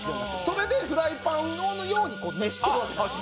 それでフライパンのように熱してるわけです。